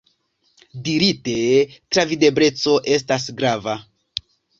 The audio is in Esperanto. Dirite, travidebleco estas grava.